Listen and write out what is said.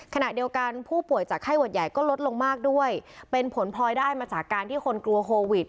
ขณะเดียวกันผู้ป่วยจากไข้หวัดใหญ่ก็ลดลงมากด้วยเป็นผลพลอยได้มาจากการที่คนกลัวโควิด